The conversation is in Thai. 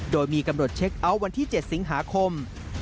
โดยมีกำหนดเช็คเอาท์วันที่๗สิงหาคม